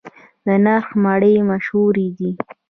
د نرخ مڼې مشهورې دي